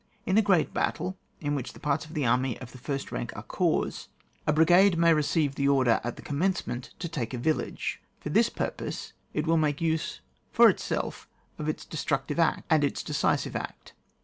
In a great battle, in which the parts of the army of the first rank are corps, a brigade may receive the order at the commencement to take a vil lage. For this purpose it will make use for itself of its destructive act and its decisive act.